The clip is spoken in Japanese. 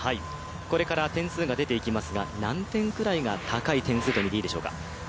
これから点数が出ていきますが何点ぐらいが高い点数とみていいでしょうか？